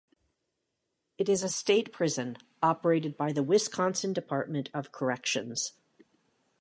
It is a state prison operated by the Wisconsin Department of Corrections.